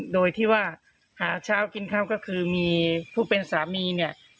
โดยที่ว่าหาเช้ากินค่ำก็คือมีผู้เป็นสามีเนี่ย